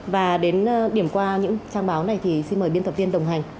và đến điểm qua những trang báo này thì xin mời biên tập viên đồng hành